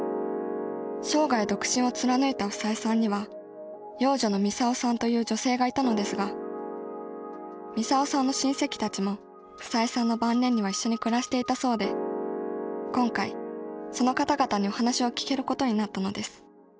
生涯独身を貫いた房枝さんには養女のミサオさんという女性がいたのですがミサオさんの親戚たちも房枝さんの晩年には一緒に暮らしていたそうで今回その方々にお話を聞けることになったのです